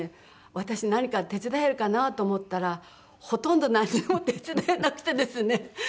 私何か手伝えるかなと思ったらほとんど何も手伝えなくてですね。